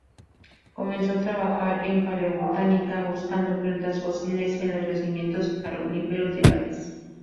Comenzó a trabajar en Paleobotánica buscando plantas fósiles en los yacimientos carboníferos de Gales.